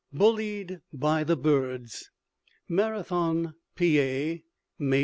BULLIED BY THE BIRDS Marathon, Pa., May 2.